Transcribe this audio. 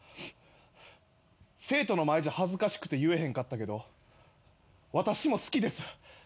「生徒の前じゃ恥ずかしくて言えへんかったけど私も好きです」